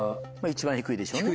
一番低いでしょうね。